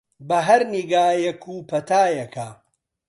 بە هەر نیگایەک و پەتایەکە